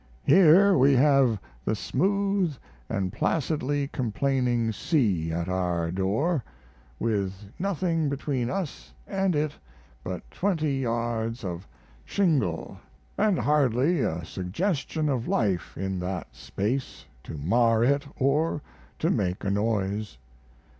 Here we have the smooth & placidly complaining sea at our door, with nothing between us & it but 20 yards of shingle & hardly a suggestion of life in that space to mar it or to make a noise.